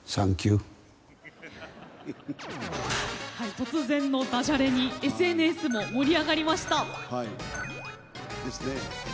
突然のだじゃれにＳＮＳも盛り上がりました。ですね。